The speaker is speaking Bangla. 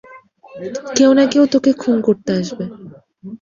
কেউ না কেউ তোকে খুন করতে আসবে।